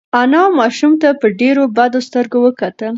انا ماشوم ته په ډېرو بدو سترګو وکتل.